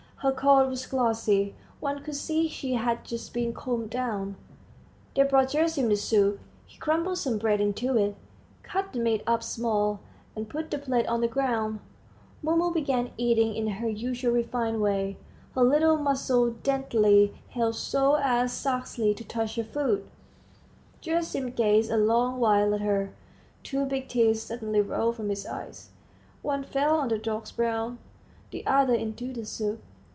Her coat was glossy; one could see she had just been combed down. They brought Gerasim the soup. He crumbled some bread into it, cut the meat up small, and put the plate on the ground. Mumu began eating in her usual refined way, her little muzzle daintily held so as scarcely to touch her food. Gerasim gazed a long while at her; two big tears suddenly rolled from his eyes; one fell on the dog's brow, the other into the soup.